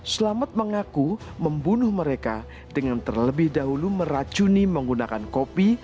selamat mengaku membunuh mereka dengan terlebih dahulu meracuni menggunakan kopi